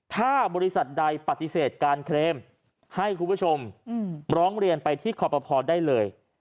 ถ้าบริษัทใดปฏิเสธการเคลมให้คุณผู้ชมร้องเรียนไปที่คอปภได้เลย